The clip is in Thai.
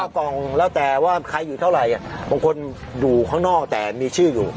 กล่องแล้วแต่ว่าใครอยู่เท่าไหร่บางคนอยู่ข้างนอกแต่มีชื่ออยู่